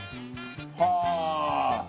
はあ！